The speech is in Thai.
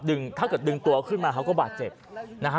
ถ้าเกิดดึงตัวขึ้นมาเขาก็บาดเจ็บนะฮะ